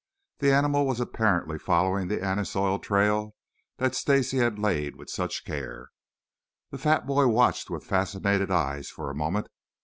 The animal was apparently following the anise oil trail that Stacy had laid with such care. The fat boy watched with fascinated eyes for a moment.